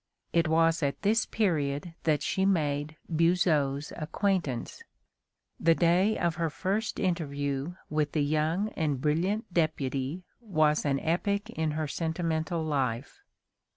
It was at this period that she made Buzot's acquaintance. The day of her first interview with the young and brilliant deputy was an epoch in her sentimental life.